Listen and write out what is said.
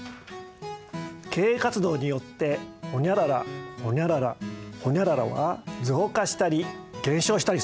経営活動によってほにゃららほにゃららほにゃららは増加したり減少したりする。